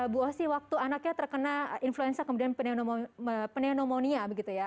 bu osi waktu anaknya terkena influenza kemudian pneumonia begitu ya